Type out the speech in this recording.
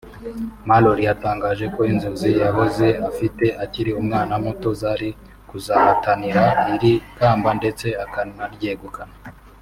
Mallory yatangaje ko inzozi yahoze afite akiri umwana muto zari kuzahatanira iri kamba ndetse akanaryegukana